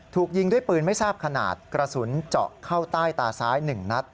ถูกยิงด้วยปืนไม่ทราบขนาดกระสุนเจาะเข้าใต้ตาซ้าย๑นัด